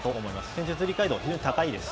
戦術理解度が非常に高いです。